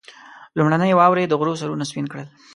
لومړنۍ واورې د غرو سرونه سپين کړل.